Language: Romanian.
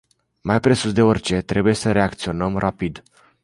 Mai presus de orice, trebuie să reacționăm rapid.